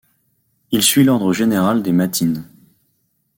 Il suit l'ordre général des Matines.